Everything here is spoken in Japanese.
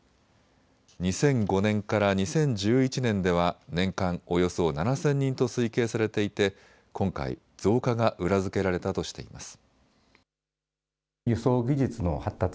２００５年から２０１１年では年間およそ７０００人と推計されていて今回、増加が裏付けられたとしています。